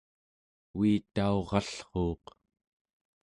uitaurallruuq